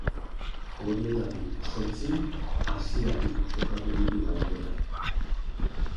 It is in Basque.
Horietatik zortzi, hasieratik jokatu ditu gainera.